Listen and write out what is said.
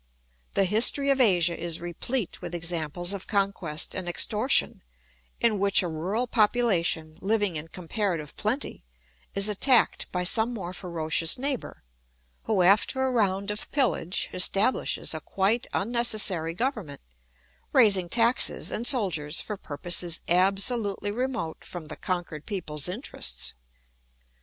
The history of Asia is replete with examples of conquest and extortion in which a rural population living in comparative plenty is attacked by some more ferocious neighbour who, after a round of pillage, establishes a quite unnecessary government, raising taxes and soldiers for purposes absolutely remote from the conquered people's interests.